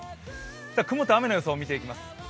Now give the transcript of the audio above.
雲と雨の予想を見ていきます。